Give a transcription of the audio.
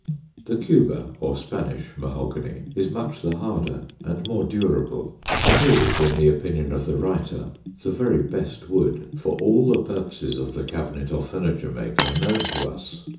The Cuba or Spanish mahogany is much the harder and more durable, and is, in the opinion of the writer, the very best wood for all the purposes of the cabinet or furniture maker known to us.